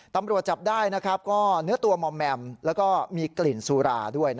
ตำรวจจับได้ก็เนื้อตัวมอมแมมแล้วก็มีกลิ่นสุราด้วย